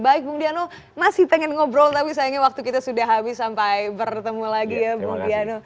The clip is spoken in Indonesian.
baik bung diano masih pengen ngobrol tapi sayangnya waktu kita sudah habis sampai bertemu lagi ya bung diano